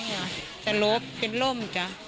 จราบตายอย่างเนี่ยค่ะลูกกินล้มจ้ะ